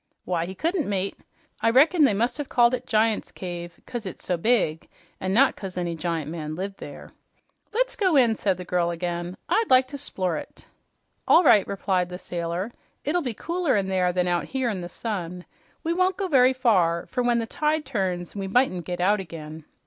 "Why, he couldn't, mate. I reckon they must have called it Giant's Cave 'cause it's so big, an' not 'cause any giant man lived there." "Let's go in," said the girl again. "I'd like to 'splore it." "All right," replied the sailor. "It'll be cooler in there than out here in the sun. We won't go very far, for when the tide turns we mightn't get out again."